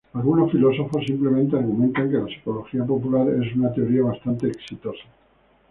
Algunos filósofos simplemente argumentan que la psicología popular es una teoría bastante exitosa.